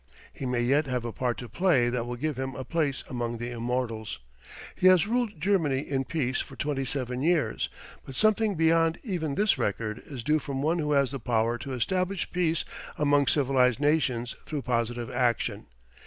He may yet have a part to play that will give him a place among the immortals. He has ruled Germany in peace for twenty seven years, but something beyond even this record is due from one who has the power to establish peace among civilized nations through positive action.